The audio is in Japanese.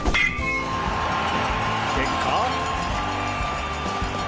結果。